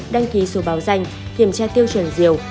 đăng ký số báo danh kiểm tra tiêu chuẩn diều